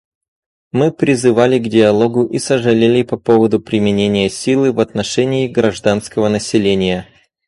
Мы призывали к диалогу и сожалели по поводу применения силы в отношении гражданского населения.